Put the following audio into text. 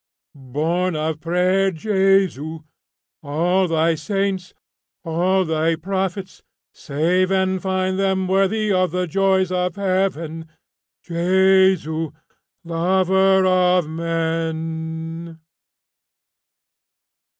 Born of prayer Jesu, all thy saints, all thy prophets, save and find them worthy of the joys of heaven. Jesu, lover of men."